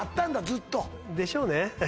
ずっとでしょうね